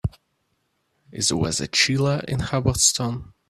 Is the weather chillier in Hubbardston